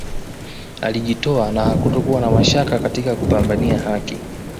Alijitoa na hakutokuwa na mashaka katika kupambania haki